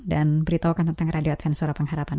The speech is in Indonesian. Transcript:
dan beritahukan tentang radio advent suara pengharapan